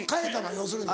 要するに。